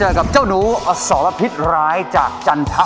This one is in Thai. ขอขอของฝากมาให้พี่เชียช์ด้วยค่ะ